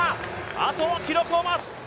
あとは記録を待つ。